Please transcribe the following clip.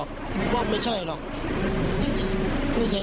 ไปกันมาก่อนในซอย